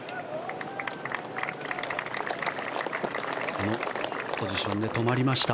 このポジションで止まりました。